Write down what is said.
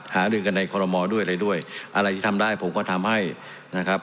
หารือกันในคอรมอลด้วยอะไรด้วยอะไรที่ทำได้ผมก็ทำให้นะครับ